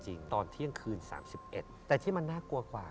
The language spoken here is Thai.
ตอนเที่ยงคืน๓๑แต่ที่มันน่ากลัวกว่า